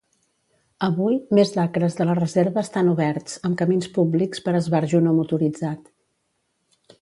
Avui, més d'acres de la reserva estan oberts, amb camins públics per esbarjo no motoritzat.